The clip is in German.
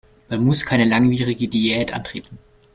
Man muss keine langwierige Diät antreten.